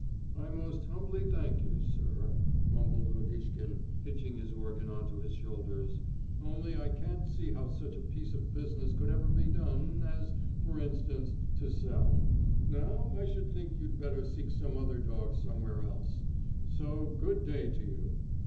"I most humbly thank you, sir," mumbled Lodishkin, hitching his organ on to his shoulders. "Only I can't see how such a piece of business could ever be done, as, for instance, to sell. Now, I should think you'd better seek some other dog somewhere else.... So good day to you....